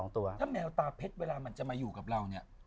ถ้าแมวตาเพชรเวลามันจะมาอยู่กับเราเนี่ย